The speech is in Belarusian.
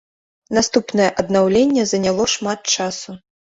Наступнае аднаўленне заняло шмат часу.